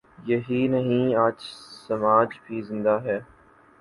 یہی نہیں، آج سماج بھی زندہ ہے۔